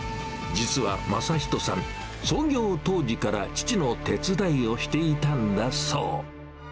実は匡仁さん、創業当時から父の手伝いをしていたんだそう。